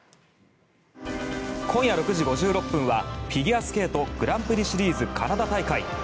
今夜６時５６分はフィギュアスケートグランプリシリーズカナダ大会。